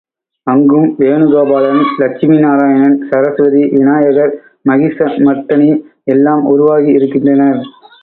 அங்கும் வேணுகோபாலன் லட்சுமி நாராயணன், சரஸ்வதி, விநாயகர், மகிஷ மர்த்தனி எல்லாம் உருவாகி இருக்கின்றனர்.